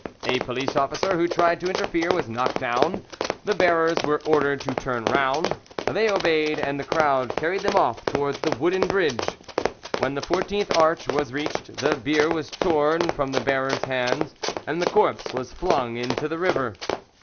A police officer who tried to interfere was knocked down, the bearers were ordered to turn round; they obeyed, and the crowd carried them off towards the wooden bridge. When the fourteenth arch was reached, the bier was torn from the bearers' hands, and the corpse was flung into the river.